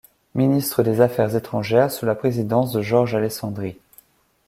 Ministre des Affaires étrangères sous la présidence de Jorge Alessandri.